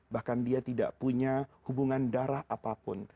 bahkan dia tidak punya hubungan darah apapun